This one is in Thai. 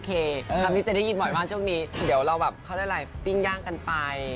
ครับนี่จะได้ยินบ่อยช่วงนี้เดี๋ยวเราแบบเข้าใดอะไรปิ้งย่างกันไป